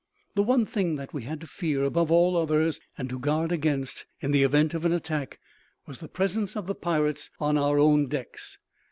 The one thing that we had to fear, above all others and to guard against in the event of an attack, was the presence of the pirates on our own decks.